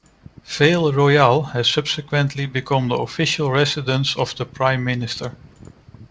Vale Royal has subsequently become the official residence of the Prime Minister.